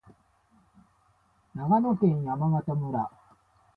長野県山形村